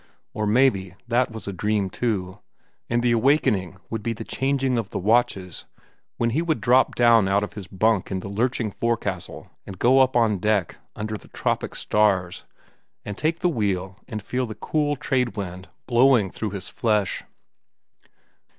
Or maybe that was a dream, too, and the awakening would be the changing of the watches, when he would drop down out of his bunk in the lurching forecastle and go up on deck, under the tropic stars, and take the wheel and feel the cool tradewind blowing through his flesh.